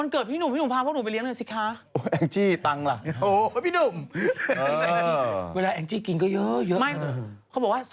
ครับผมสุดยอดนะฮะ